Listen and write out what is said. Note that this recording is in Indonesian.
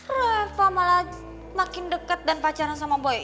reva malah makin deket dan pacaran sama boy